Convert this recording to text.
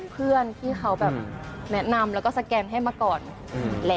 เพื่อนที่เขาแบบแนะนำแล้วก็สแกนให้มาก่อนแล้ว